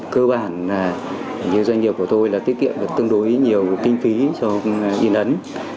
cơ bản là như doanh nghiệp của tôi là tiết kiệm được tương đối nhiều kinh phí cho in ấn